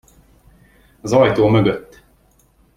Az ajtó mögött.